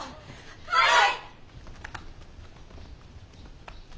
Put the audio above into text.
はい！